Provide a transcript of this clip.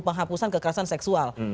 penghapusan kekerasan seksual